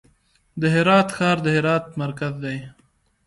د هرات ښار د هرات مرکز دی